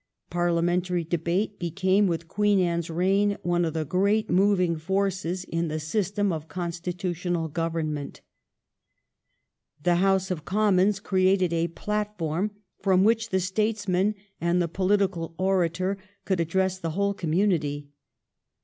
Parliamentary debate became with Queen Anne's reign one of the great moving forces in the system of constitutional government. The House of Commons created a platform from which the statesman and the political orator could address the whole community.